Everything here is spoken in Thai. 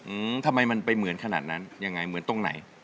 อืมทำไมมันไปเหมือนขนาดนั้นยังไงเหมือนตรงไหน